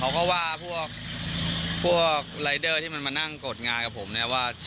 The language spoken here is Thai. เขาก็ว่าพวกรายเดอร์ที่มันมานั่งกดงานกับผมเนี่ยว่า